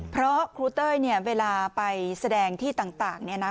เพราะครูเต้ยเนี่ยเวลาไปแสดงที่ต่างเนี่ยนะ